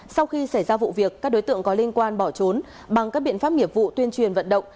sau khi xảy ra vụ việc các đối tượng có liên quan bỏ trốn bằng các biện pháp nghiệp vụ tuyên truyền vận động